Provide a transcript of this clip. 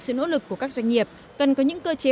sự nỗ lực của các doanh nghiệp cần có những cơ chế